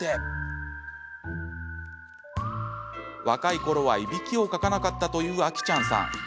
若いころはいびきをかかなかったというあきちゃんさん。